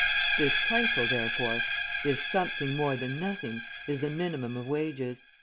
This trifle, therefore, this something more than nothing, is the minimum of wages.